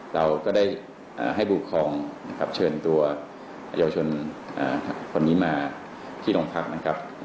เราก็ได้ให้บุคคล์เชิญตัวเยาวชนคนนี้มาที่ลงพรรคนะครับ